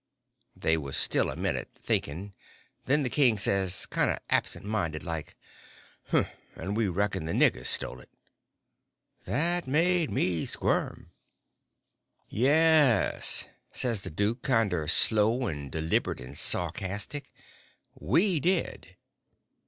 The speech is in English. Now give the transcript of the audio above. They was still a minute—thinking; then the king says, kind of absent minded like: "Mf! And we reckoned the niggers stole it!" That made me squirm! "Yes," says the duke, kinder slow and deliberate and sarcastic, "We did."